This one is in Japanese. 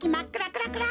クラクラ